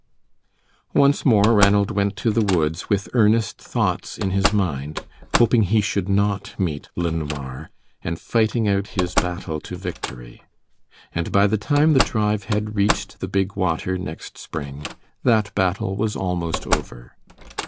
Once more Ranald went to the woods, with earnest thoughts in his mind, hoping he should not meet LeNoir, and fighting out his battle to victory; and by the time the drive had reached the big water next spring, that battle was almost over.